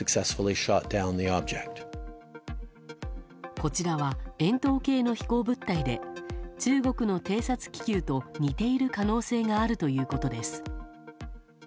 こちらは円筒形の飛行物体で中国の偵察気球と似ている可能性があるということです。